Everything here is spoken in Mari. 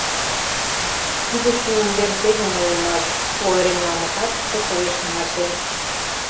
Кидысе умдем теве мо улмаш – ойырен налме татысе кугешнымашем.